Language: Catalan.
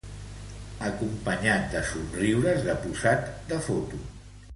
Acompanyat de somriures de posat de foto